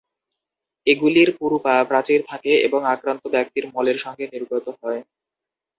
এগুলির পুরু প্রাচীর থাকে এবং আক্রান্ত ব্যক্তির মলের সঙ্গে নির্গত হয়।